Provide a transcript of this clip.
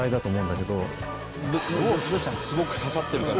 すごく刺さってる感じ。